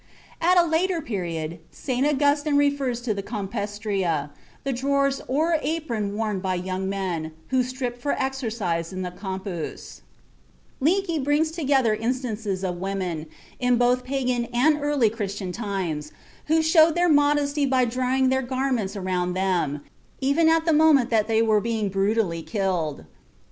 At a later period, St. Augustine refers to the compestria, the drawers or apron worn by young men who stripped for exercise in the campus. (De Civitate Dei, Bk. XIV, Ch. XVII.) Lecky (History of Morals, vol. ii, p. 318), brings together instances of women, in both Pagan and early Christian times, who showed their modesty by drawing their garments around them, even at the moment that they were being brutally killed.